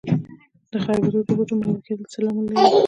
د خربوزو د بوټو مړاوي کیدل څه لامل لري؟